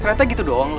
ternyata gitu doang lo